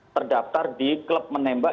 terdaftar di klub menembak